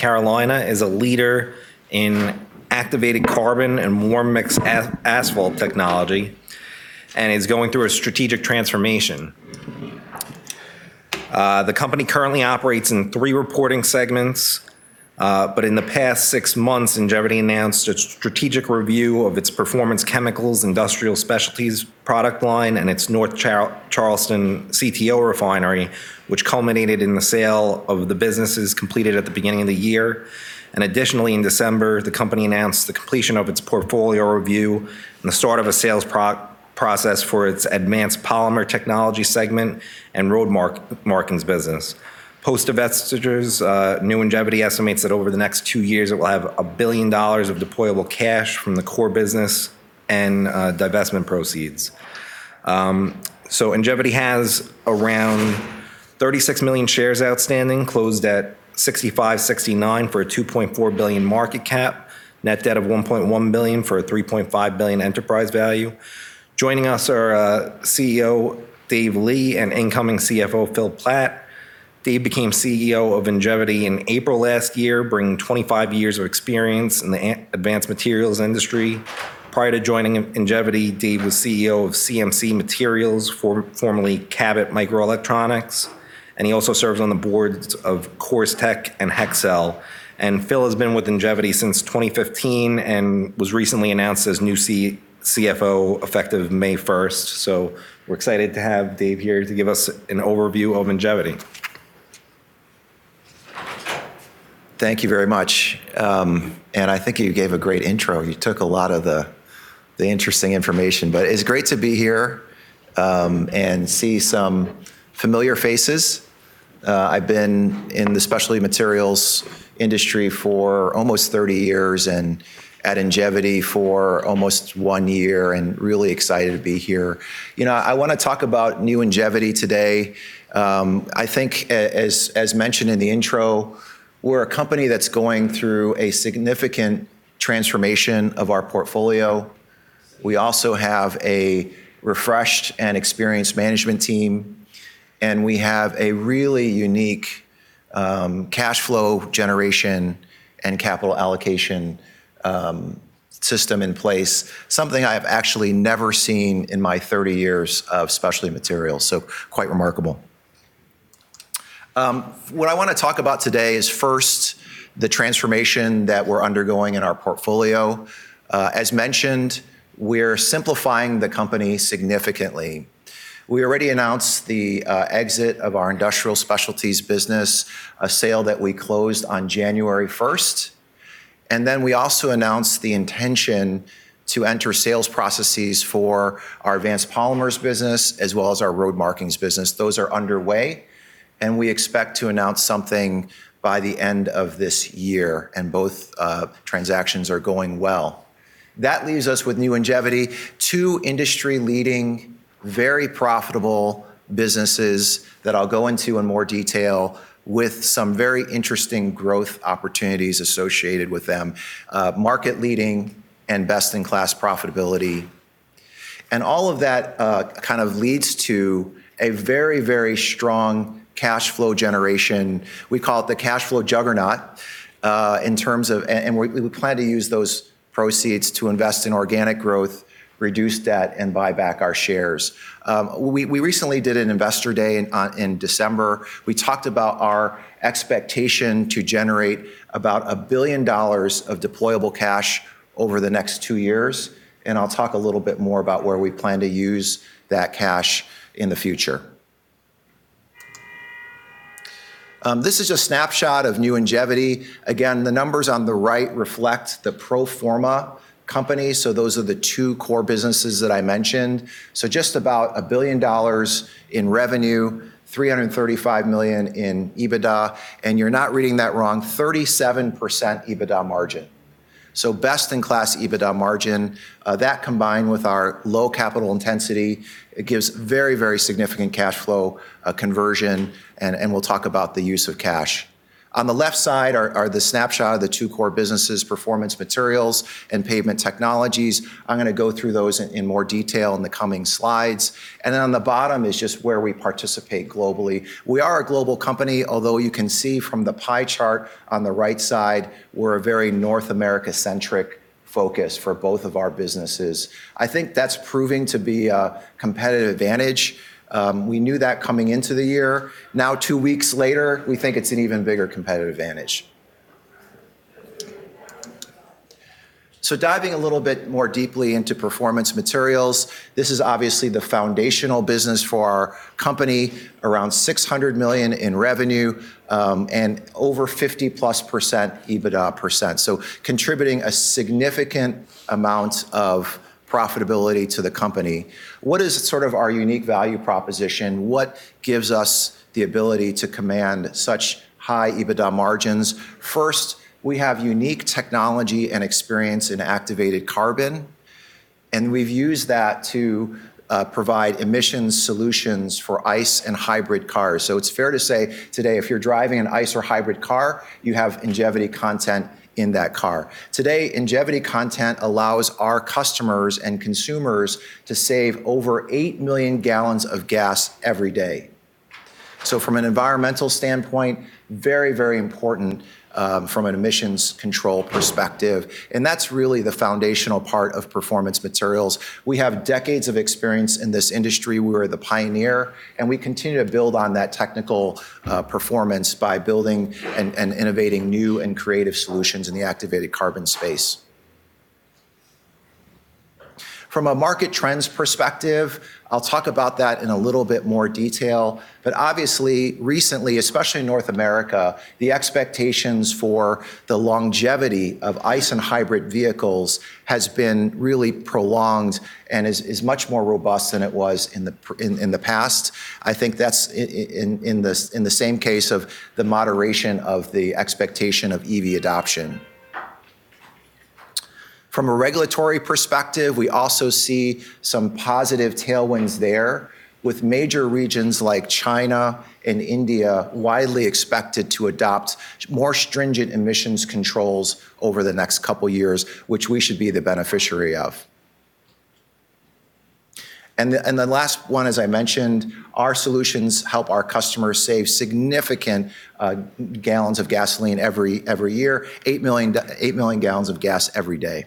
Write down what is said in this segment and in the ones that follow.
Ingevity is a leader in activated carbon and warm mix asphalt technology, and is going through a strategic transformation. The company currently operates in three reporting segments, but in the past six months, Ingevity announced a strategic review of its Performance Chemicals, Industrial Specialties product line, and its North Charleston CTO refinery, which culminated in the sale of the businesses completed at the beginning of the year. Additionally, in December, the company announced the completion of its portfolio review and the start of a sales process for its Advanced Polymer Technologies segment and Road Markings business. Post-divestitures, new Ingevity estimates that over the next two years, it will have $1 billion of deployable cash from the core business and divestment proceeds. Ingevity has around 36 million shares outstanding, closed at $65.69 for a $2.4 billion market cap, net debt of $1.1 billion for a $3.5 billion enterprise value. Joining us are CEO David Li and incoming CFO Phil Platt. David became CEO of Ingevity in April last year, bringing 25 years of experience in the advanced materials industry. Prior to joining Ingevity, David was CEO of CMC Materials, formerly Cabot Microelectronics, and he also serves on the boards of CoorsTek and Hexcel. Phil has been with Ingevity since 2015 and was recently announced as new CFO effective May 1. We're excited to have David here to give us an overview of Ingevity. Thank you very much. I think you gave a great intro. You took a lot of the interesting information, but it's great to be here and see some familiar faces. I've been in the specialty materials industry for almost 30 years and at Ingevity for almost one year and really excited to be here. You know, I wanna talk about new Ingevity today. I think as mentioned in the intro, we're a company that's going through a significant transformation of our portfolio. We also have a refreshed and experienced management team, and we have a really unique cash flow generation and capital allocation system in place, something I've actually never seen in my 30 years of specialty materials, so quite remarkable. What I wanna talk about today is first, the transformation that we're undergoing in our portfolio. As mentioned, we're simplifying the company significantly. We already announced the exit of our Industrial Specialties business, a sale that we closed on January 1st, and then we also announced the intention to enter sales processes for our Advanced Polymer Technologies business as well as our Road Markings business. Those are underway, and we expect to announce something by the end of this year, and both transactions are going well. That leaves us with new Ingevity, two industry-leading, very profitable businesses that I'll go into in more detail with some very interesting growth opportunities associated with them, market leading and best-in-class profitability. All of that kind of leads to a very, very strong cash flow generation. We call it the cash flow juggernaut in terms of. We plan to use those proceeds to invest in organic growth, reduce debt, and buy back our shares. We recently did an investor day in December. We talked about our expectation to generate about $1 billion of deployable cash over the next two years, and I'll talk a little bit more about where we plan to use that cash in the future. This is a snapshot of new Ingevity. Again, the numbers on the right reflect the pro forma company, so those are the two core businesses that I mentioned. Just about $1 billion in revenue, $335 million in EBITDA, and you're not reading that wrong, 37% EBITDA margin. Best-in-class EBITDA margin. That combined with our low capital intensity, it gives very, very significant cash flow conversion, and we'll talk about the use of cash. On the left side are the snapshot of the two core businesses, Performance Materials and Pavement Technologies. I'm gonna go through those in more detail in the coming slides. On the bottom is just where we participate globally. We are a global company, although you can see from the pie chart on the right side, we're a very North America-centric focus for both of our businesses. I think that's proving to be a competitive advantage. We knew that coming into the year. Now, two weeks later, we think it's an even bigger competitive advantage. Diving a little bit more deeply into Performance Materials, this is obviously the foundational business for our company, around $600 million in revenue, and over 50+% EBITDA %, so contributing a significant amount of profitability to the company. What is sort of our unique value proposition? What gives us the ability to command such high EBITDA margins? First, we have unique technology and experience in activated carbon, and we've used that to provide emissions solutions for ICE and hybrid cars. It's fair to say today, if you're driving an ICE or hybrid car, you have Ingevity content in that car. Today, Ingevity content allows our customers and consumers to save over 8 million gallons of gas every day. From an environmental standpoint, very, very important from an emissions control perspective. That's really the foundational part of Performance Materials. We have decades of experience in this industry. We were the pioneer, and we continue to build on that technical performance by building and innovating new and creative solutions in the activated carbon space. From a market trends perspective, I'll talk about that in a little bit more detail. Obviously, recently, especially in North America, the expectations for the longevity of ICE and hybrid vehicles has been really prolonged and is much more robust than it was in the past. I think that's in the same case of the moderation of the expectation of EV adoption. From a regulatory perspective, we also see some positive tailwinds there with major regions like China and India widely expected to adopt more stringent emissions controls over the next couple years, which we should be the beneficiary of. The last one, as I mentioned, our solutions help our customers save significant gallons of gasoline every year, 8 million gal of gas every day.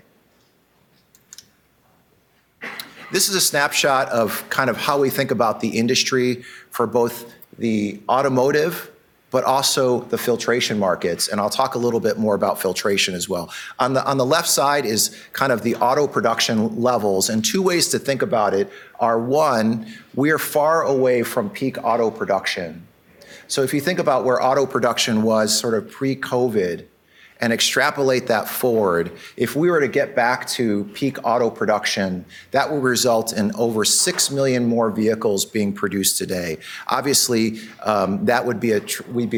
This is a snapshot of kind of how we think about the industry for both the automotive but also the filtration markets. I'll talk a little bit more about filtration as well. On the left side is kind of the auto production levels. Two ways to think about it are, one, we are far away from peak auto production. If you think about where auto production was sort of pre-COVID and extrapolate that forward, if we were to get back to peak auto production, that will result in over 6 million more vehicles being produced today. Obviously, that would be a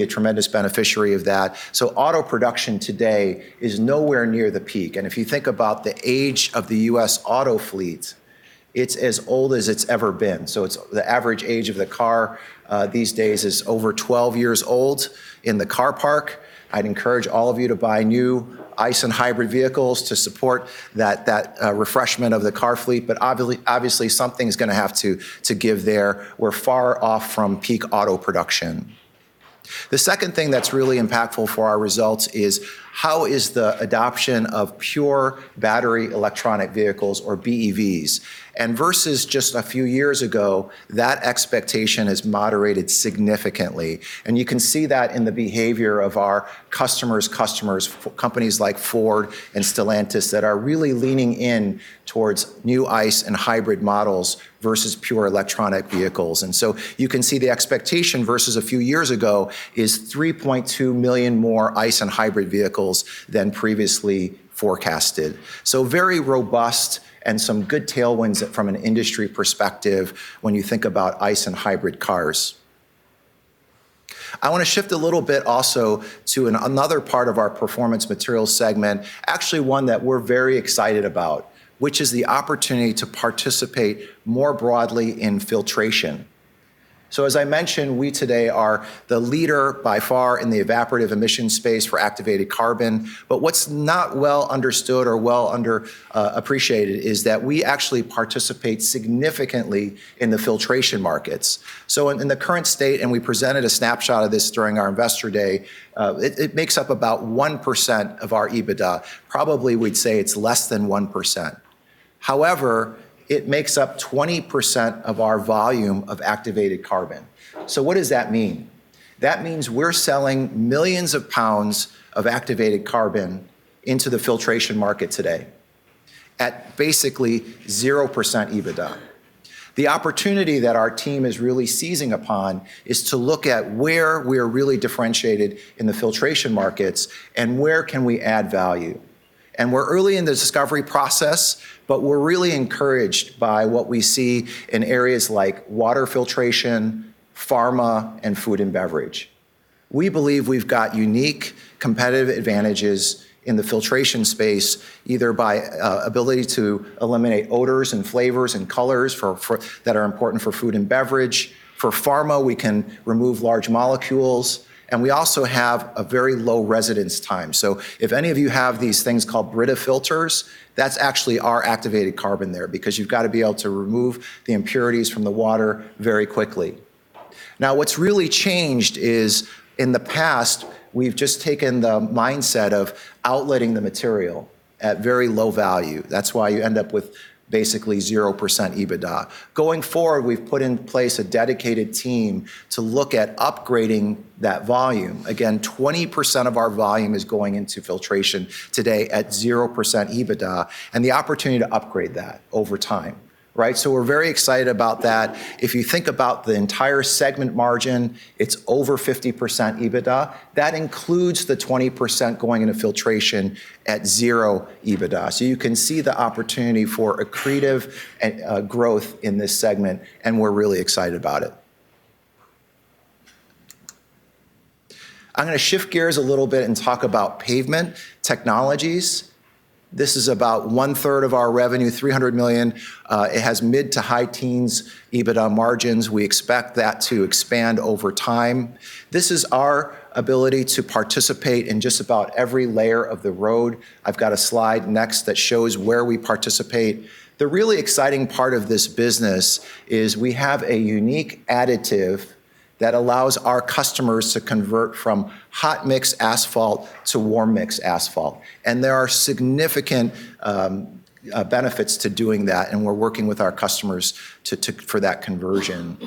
tremendous beneficiary of that. Auto production today is nowhere near the peak. If you think about the age of the U.S. auto fleet, it's as old as it's ever been. The average age of the car these days is over 12 years old in the car park. I'd encourage all of you to buy new ICE and hybrid vehicles to support that refreshment of the car fleet. Obviously, something's going to have to give there. We're far off from peak auto production. The second thing that's really impactful for our results is how the adoption of pure battery electric vehicles or BEVs. Versus just a few years ago, that expectation has moderated significantly. You can see that in the behavior of our customers' customers, companies like Ford and Stellantis that are really leaning in towards new ICE and hybrid models versus pure electric vehicles. You can see the expectation versus a few years ago is 3.2 million more ICE and hybrid vehicles than previously forecasted. Very robust and some good tailwinds from an industry perspective when you think about ICE and hybrid cars. I want to shift a little bit also to another part of our Performance Materials segment, actually one that we're very excited about, which is the opportunity to participate more broadly in filtration. As I mentioned, we today are the leader by far in the evaporative emissions space for activated carbon. What's not well understood or well under appreciated is that we actually participate significantly in the filtration markets. In the current state, and we presented a snapshot of this during our investor day, it makes up about 1% of our EBITDA. Probably we'd say it's less than 1%. However, it makes up 20% of our volume of activated carbon. So what does that mean? That means we're selling millions of pounds of activated carbon into the filtration market today at basically 0% EBITDA. The opportunity that our team is really seizing upon is to look at where we are really differentiated in the filtration markets and where can we add value. We're early in the discovery process, but we're really encouraged by what we see in areas like water filtration, pharma, and food and beverage. We believe we've got unique competitive advantages in the filtration space, either by ability to eliminate odors and flavors and colors that are important for food and beverage. For pharma, we can remove large molecules. We also have a very low residence time. If any of you have these things called Brita filters, that's actually our activated carbon there because you've got to be able to remove the impurities from the water very quickly. Now, what's really changed is in the past, we've just taken the mindset of outletting the material at very low value. That's why you end up with basically 0% EBITDA. Going forward, we've put in place a dedicated team to look at upgrading that volume. Again, 20% of our volume is going into filtration today at 0% EBITDA and the opportunity to upgrade that over time, right? We're very excited about that. If you think about the entire segment margin, it's over 50% EBITDA. That includes the 20% going into filtration at 0% EBITDA. You can see the opportunity for accretive growth in this segment, and we're really excited about it. I'm going to shift gears a little bit and talk about pavement technologies. This is about 1/3 of our revenue, $300 million. It has mid- to high-teens% EBITDA margins. We expect that to expand over time. This is our ability to participate in just about every layer of the road. I've got a slide next that shows where we participate. The really exciting part of this business is we have a unique additive that allows our customers to convert from Hot Mix Asphalt to Warm Mix Asphalt. There are significant benefits to doing that, and we're working with our customers for that conversion.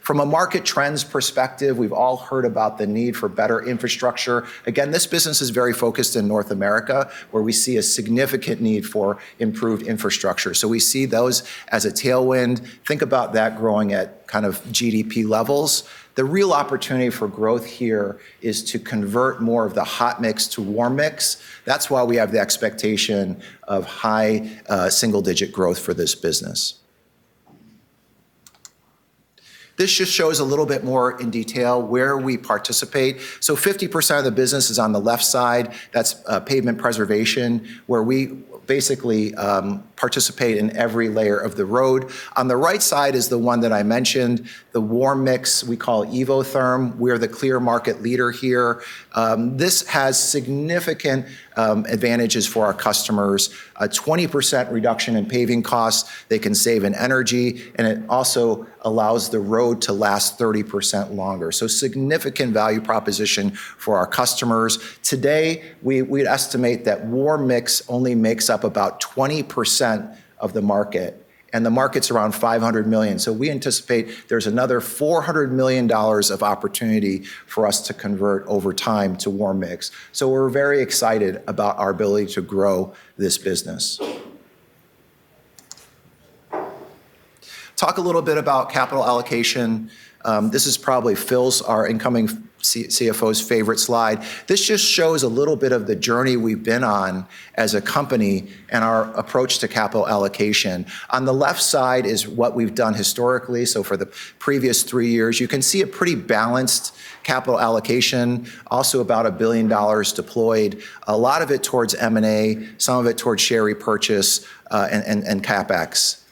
From a market trends perspective, we've all heard about the need for better infrastructure. Again, this business is very focused in North America, where we see a significant need for improved infrastructure. We see those as a tailwind. Think about that growing at kind of GDP levels. The real opportunity for growth here is to convert more of the hot mix to warm mix. That's why we have the expectation of high single-digit growth for this business. This just shows a little bit more in detail where we participate. Fifty percent of the business is on the left side. That's pavement preservation, where we basically participate in every layer of the road. On the right side is the one that I mentioned, the warm mix, we call it Evotherm. We're the clear market leader here. This has significant advantages for our customers. A 20% reduction in paving costs, they can save in energy, and it also allows the road to last 30% longer. Significant value proposition for our customers. Today, we'd estimate that warm mix only makes up about 20% of the market, and the market's around $500 million. We anticipate there's another $400 million of opportunity for us to convert over time to warm mix. We're very excited about our ability to grow this business. Talk a little bit about capital allocation. This is probably Phil's, our incoming CFO's favorite slide. This just shows a little bit of the journey we've been on as a company and our approach to capital allocation. On the left side is what we've done historically, so for the previous three years. You can see a pretty balanced capital allocation. Also about $1 billion deployed, a lot of it towards M&A, some of it towards share repurchase, and CapEx.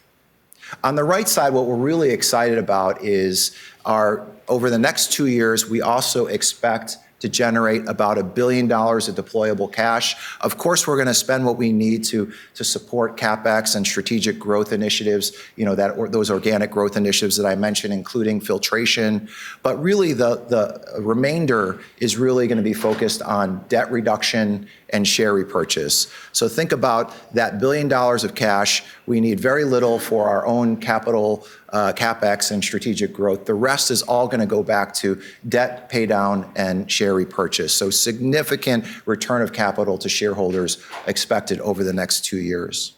On the right side, what we're really excited about is over the next two years, we also expect to generate about $1 billion of deployable cash. Of course, we're gonna spend what we need to support CapEx and strategic growth initiatives, you know, those organic growth initiatives that I mentioned, including filtration. But really, the remainder is really gonna be focused on debt reduction and share repurchase. So think about that $1 billion of cash. We need very little for our own capital, CapEx and strategic growth. The rest is all gonna go back to debt paydown and share repurchase. So significant return of capital to shareholders expected over the next two years.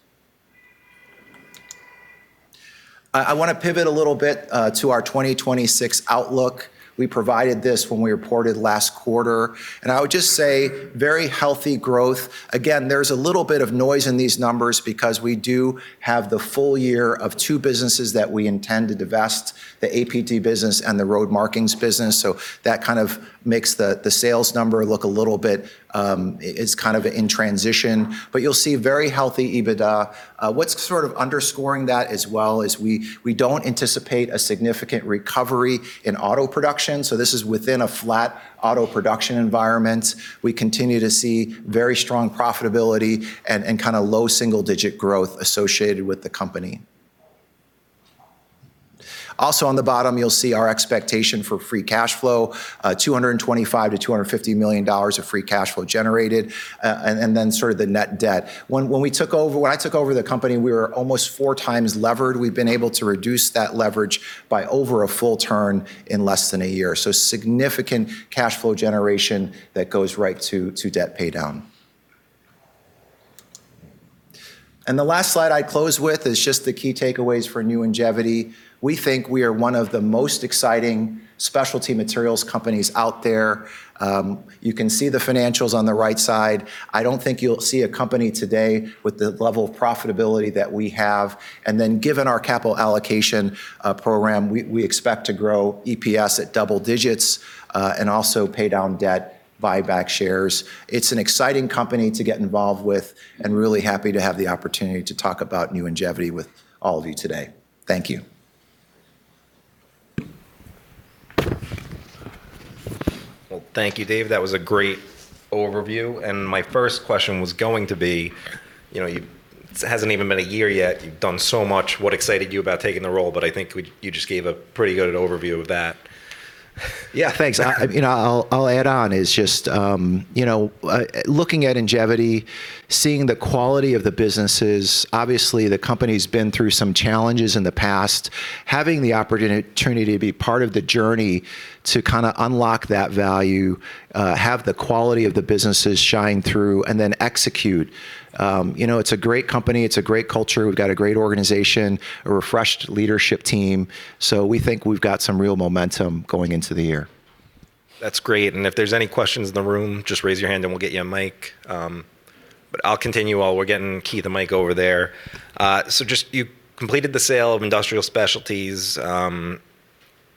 I wanna pivot a little bit to our 2026 outlook. We provided this when we reported last quarter. I would just say very healthy growth. Again, there's a little bit of noise in these numbers because we do have the full year of two businesses that we intend to divest, the APT business and the Road Markings business. That kind of makes the sales number look a little bit. It's kind of in transition. You'll see very healthy EBITDA. What's sort of underscoring that as well is we don't anticipate a significant recovery in auto production, so this is within a flat auto production environment. We continue to see very strong profitability and kinda low single digit growth associated with the company. Also, on the bottom, you'll see our expectation for free cash flow, $225 million-$250 million of free cash flow generated, and then sort of the net debt. When I took over the company, we were almost four times levered. We've been able to reduce that leverage by over a full turn in less than a year. Significant cash flow generation that goes right to debt paydown. The last slide I close with is just the key takeaways for new Ingevity. We think we are one of the most exciting specialty materials companies out there. You can see the financials on the right side. I don't think you'll see a company today with the level of profitability that we have. Given our capital allocation program, we expect to grow EPS at double digits and also pay down debt, buy back shares. It's an exciting company to get involved with, and really happy to have the opportunity to talk about new Ingevity with all of you today. Thank you. Well, thank you, Dave. That was a great overview. My first question was going to be, you know, it hasn't even been a year yet, you've done so much. What excited you about taking the role? I think you just gave a pretty good overview of that. Yeah, thanks. You know, I'll add on. It's just you know looking at Ingevity, seeing the quality of the businesses, obviously the company's been through some challenges in the past. Having the opportunity to be part of the journey to kinda unlock that value, have the quality of the businesses shine through, and then execute, you know, it's a great company. It's a great culture. We've got a great organization, a refreshed leadership team. We think we've got some real momentum going into the year. That's great. If there's any questions in the room, just raise your hand and we'll get you a mic. I'll continue while we're getting Keith a mic over there. You just completed the sale of Industrial Specialties.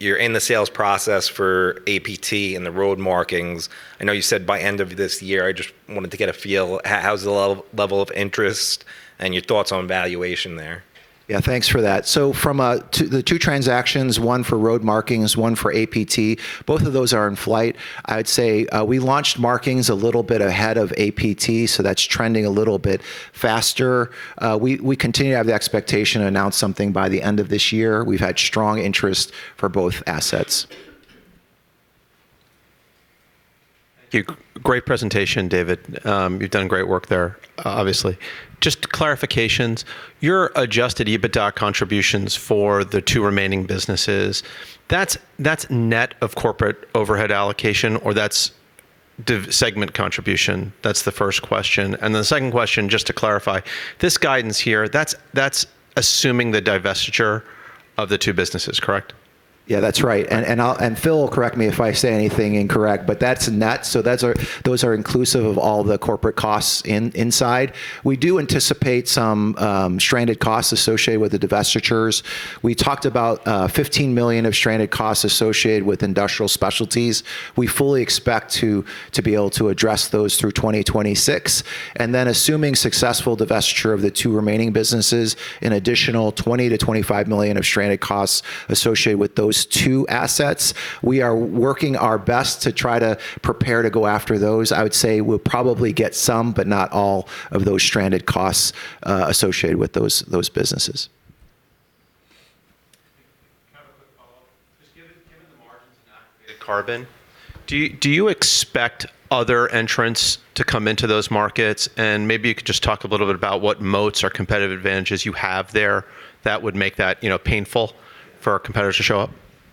You're in the sales process for APT and the Road Markings. I know you said by end of this year. I just wanted to get a feel. How's the level of interest and your thoughts on valuation there? Yeah, thanks for that. From the two transactions, one for Road Markings, one for APT, both of those are in flight. I'd say we launched markings a little bit ahead of APT, so that's trending a little bit faster. We continue to have the expectation to announce something by the end of this year. We've had strong interest for both assets. Thank you. Great presentation, David. You've done great work there, obviously. Just clarifications. Your adjusted EBITDA contributions for the two remaining businesses, that's net of corporate overhead allocation or that's the segment contribution? That's the first question. The second question, just to clarify, this guidance here, that's assuming the divestiture of the two businesses, correct? Yeah, that's right. Phil will correct me if I say anything incorrect, but that's net, so those are inclusive of all the corporate costs inside. We do anticipate some stranded costs associated with the divestitures. We talked about $15 million of stranded costs associated with Industrial Specialties. We fully expect to be able to address those through 2026. Assuming successful divestiture of the two remaining businesses, an additional $20 million-$25 million of stranded costs associated with those two assets. We are working our best to try to prepare to go after those. I would say we'll probably get some, but not all of those stranded costs associated with those businesses. Can I have a quick follow-up? Just given the margins in activated carbon, do you expect other entrants to come into those markets? Maybe you could just talk a little bit about what moats or competitive advantages you have there that would make that, you know, painful for our competitors to show up.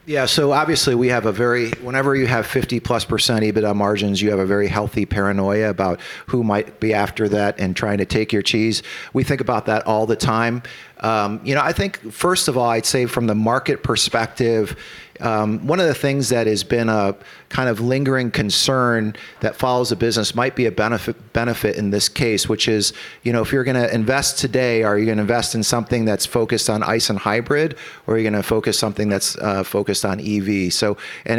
Obviously, whenever you have 50%+ EBITDA margins, you have a very healthy paranoia about who might be after that and trying to take your cheese. We think about that all the time. You know, I think first of all, I'd say from the market perspective, one of the things that has been a kind of lingering concern that follows the business might be a benefit in this case, which is, you know, if you're gonna invest today, are you gonna invest in something that's focused on ICE and hybrid, or are you gonna focus something that's focused on EV?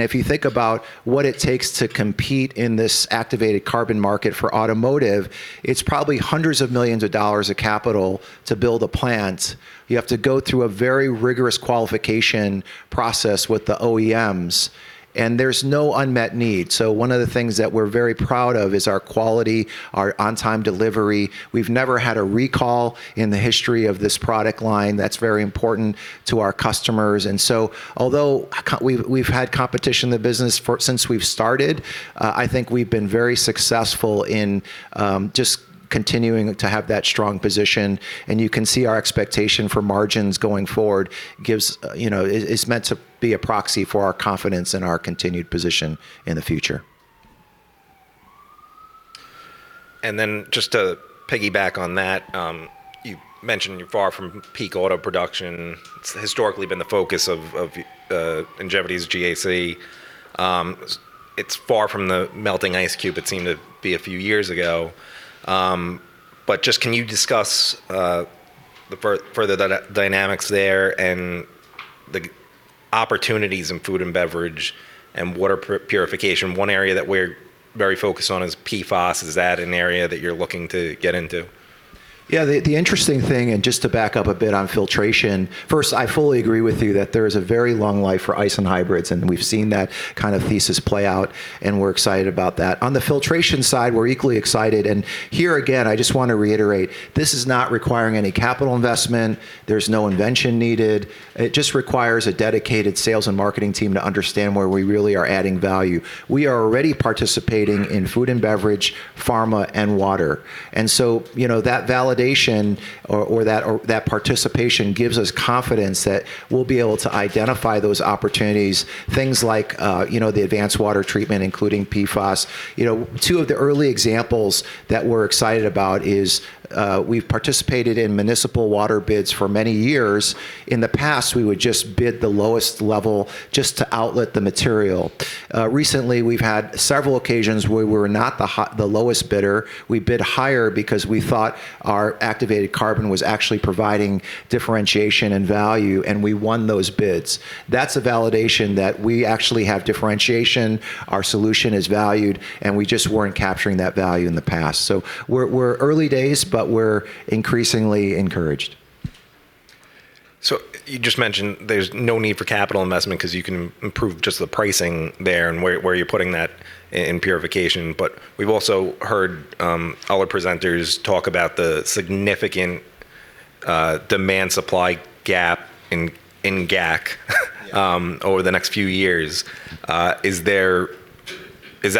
If you think about what it takes to compete in this activated carbon market for automotive, it's probably hundreds of millions of dollars of capital to build a plant. You have to go through a very rigorous qualification process with the OEMs, and there's no unmet need. One of the things that we're very proud of is our quality, our on-time delivery. We've never had a recall in the history of this product line. That's very important to our customers. Although we've had competition in the business for, since we've started, I think we've been very successful in just continuing to have that strong position. You can see our expectation for margins going forward gives, you know, is meant to be a proxy for our confidence and our continued position in the future. You mentioned you're far from peak auto production. It's historically been the focus of Ingevity's GAC. It's far from the melting ice cube it seemed to be a few years ago. Just, can you discuss the further dynamics there and the opportunities in food and beverage and water purification? One area that we're very focused on is PFAS. Is that an area that you're looking to get into? Yeah. The interesting thing, just to back up a bit on filtration. First, I fully agree with you that there is a very long life for ICE and hybrids, and we've seen that kind of thesis play out, and we're excited about that. On the filtration side, we're equally excited. Here again, I just wanna reiterate, this is not requiring any capital investment. There's no invention needed. It just requires a dedicated sales and marketing team to understand where we really are adding value. We are already participating in food and beverage, pharma, and water. You know, that validation or that participation gives us confidence that we'll be able to identify those opportunities, things like, you know, the advanced water treatment, including PFAS. You know, two of the early examples that we're excited about is, we've participated in municipal water bids for many years. In the past, we would just bid the lowest level just to outlet the material. Recently, we've had several occasions where we're not the lowest bidder. We bid higher because we thought our activated carbon was actually providing differentiation and value, and we won those bids. That's a validation that we actually have differentiation, our solution is valued, and we just weren't capturing that value in the past. We're early days, but we're increasingly encouraged. You just mentioned there's no need for capital investment because you can improve just the pricing there and where you're putting that in purification. But we've also heard other presenters talk about the significant demand supply gap in GAC over the next few years. Is that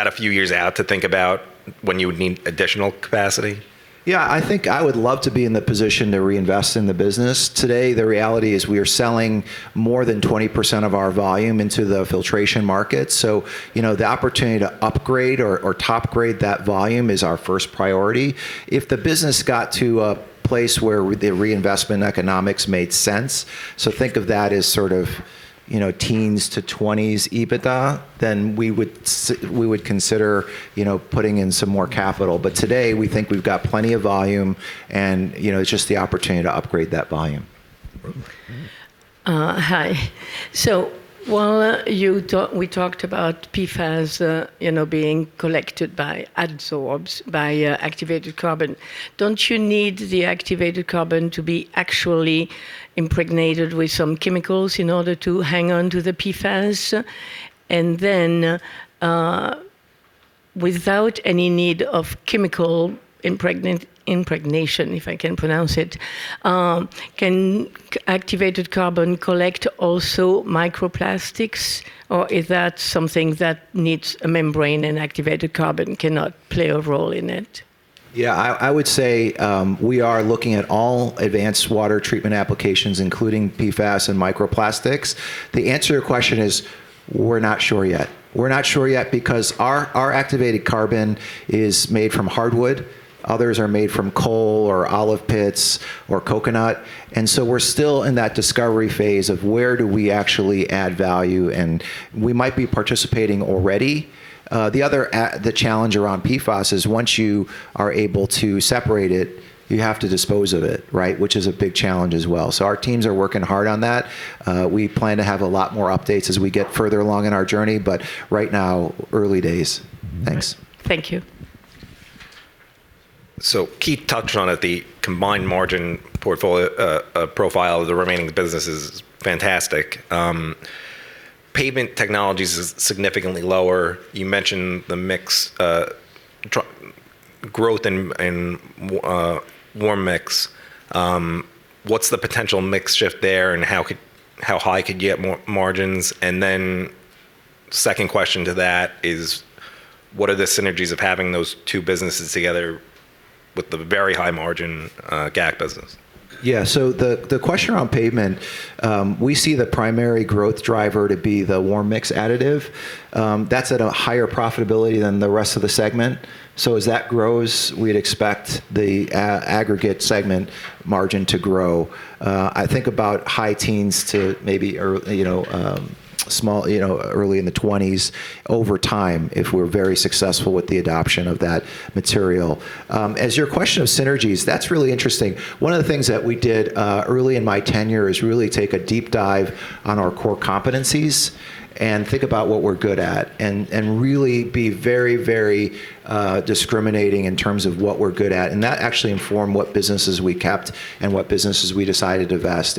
a few years out to think about when you would need additional capacity? Yeah. I think I would love to be in the position to reinvest in the business. Today, the reality is we are selling more than 20% of our volume into the filtration market. You know, the opportunity to upgrade or topgrade that volume is our first priority. If the business got to a place where the reinvestment economics made sense, so think of that as sort of, you know, teens to twenties EBITDA, then we would consider, you know, putting in some more capital. Today, we think we've got plenty of volume and, you know, it's just the opportunity to upgrade that volume. Mm-hmm. Hi. While we talked about PFAS, you know, being adsorbed by activated carbon, don't you need the activated carbon to be actually impregnated with some chemicals in order to hang on to the PFAS? Without any need of chemical impregnation, if I can pronounce it, can activated carbon collect also microplastics? Is that something that needs a membrane and activated carbon cannot play a role in it? Yeah, I would say we are looking at all advanced water treatment applications, including PFAS and microplastics. The answer to your question is we're not sure yet. We're not sure yet because our activated carbon is made from hardwood. Others are made from coal or olive pits or coconut. We're still in that discovery phase of where do we actually add value? We might be participating already. The challenge around PFAS is once you are able to separate it, you have to dispose of it, right? Which is a big challenge as well. Our teams are working hard on that. We plan to have a lot more updates as we get further along in our journey, but right now, early days. Thanks. Thank you. Keith touched on it, the combined margin portfolio, profile of the remaining business is fantastic. Pavement technologies is significantly lower. You mentioned the mix, growth in warm mix. What's the potential mix shift there and how high could you get margins? Second question to that is what are the synergies of having those two businesses together with the very high margin, GAC business? Yeah, the question around pavement, we see the primary growth driver to be the warm mix additive. That's at a higher profitability than the rest of the segment. As that grows, we'd expect the aggregate segment margin to grow. I think about high teens to maybe early in the twenties over time if we're very successful with the adoption of that material. As your question of synergies, that's really interesting. One of the things that we did early in my tenure is really take a deep dive on our core competencies and think about what we're good at and really be very discriminating in terms of what we're good at. That actually informed what businesses we kept and what businesses we decided to divest.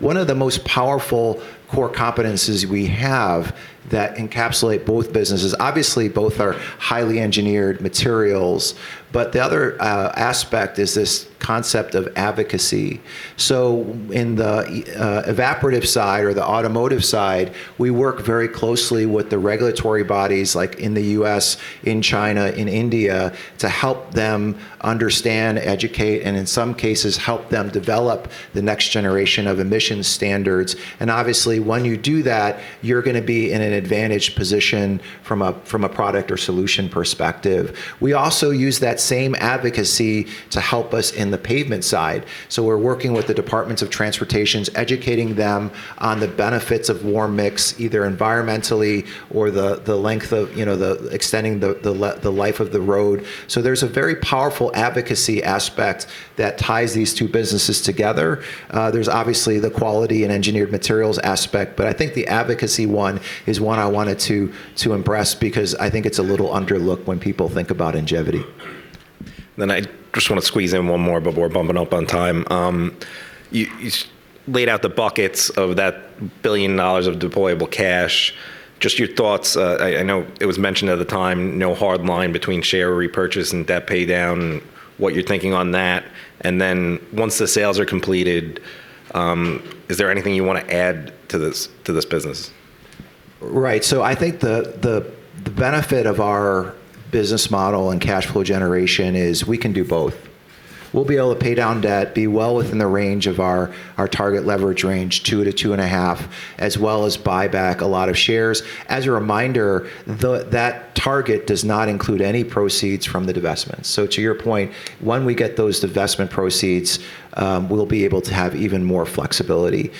One of the most powerful core competencies we have that encapsulate both businesses, obviously, both are highly engineered materials, but the other aspect is this concept of advocacy. In the evaporative side or the automotive side, we work very closely with the regulatory bodies like in the U.S., in China, in India, to help them understand, educate, and in some cases help them develop the next generation of emission standards. Obviously, when you do that, you're gonna be in an advantaged position from a product or solution perspective. We also use that same advocacy to help us in the pavement side. We're working with the departments of transportation, educating them on the benefits of warm mix, either environmentally or the length of, you know, extending the life of the road. There's a very powerful advocacy aspect that ties these two businesses together. There's obviously the quality and engineered materials aspect, but I think the advocacy one is one I wanted to impress because I think it's a little underlooked when people think about Ingevity. I just wanna squeeze in one more before bumping up on time. You laid out the buckets of that $1 billion of deployable cash. Just your thoughts, I know it was mentioned at the time, no hard line between share repurchase and debt pay down, what you're thinking on that. Once the sales are completed, is there anything you wanna add to this business? Right. I think the benefit of our business model and cash flow generation is we can do both. We'll be able to pay down debt, be well within the range of our target leverage range, 2-2.5, as well as buy back a lot of shares. As a reminder, that target does not include any proceeds from the divestments. To your point, when we get those divestment proceeds, we'll be able to have even more flexibility.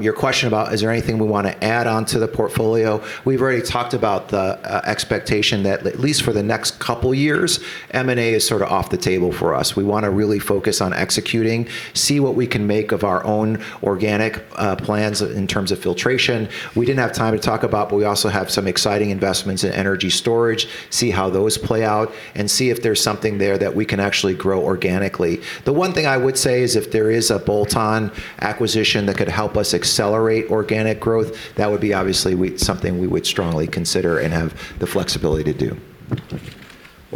Your question about is there anything we wanna add on to the portfolio, we've already talked about the expectation that at least for the next couple years, M&A is sort of off the table for us. We wanna really focus on executing, see what we can make of our own organic plans in terms of filtration. We didn't have time to talk about, but we also have some exciting investments in energy storage, see how those play out, and see if there's something there that we can actually grow organically. The one thing I would say is if there is a bolt-on acquisition that could help us accelerate organic growth, that would be obviously something we would strongly consider and have the flexibility to do.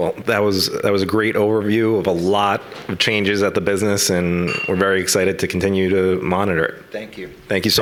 Well, that was a great overview of a lot of changes at the business, and we're very excited to continue to monitor. Thank you. Thank you so much.